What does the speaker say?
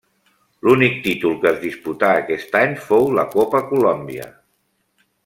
L'únic títol que es disputà aquest any fou la Copa Colòmbia.